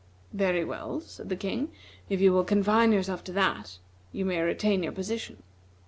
"Very well," said the King, "if you will confine yourself to that, you may retain your position."